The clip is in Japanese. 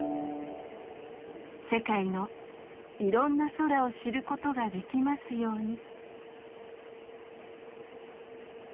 世界のいろんな空を知ることができますように。